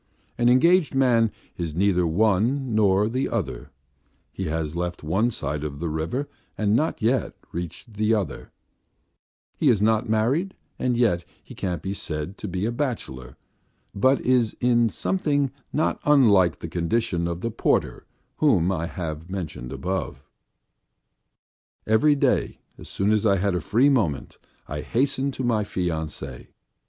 An engaged man is neither one thing nor the other, he has left one side of the river and not reached the other, he is not married and yet he can't be said to be a bachelor, but is in something not unlike the condition of the porter whom I have mentioned above. Every day as soon as I had a free moment I hastened to my fiancée.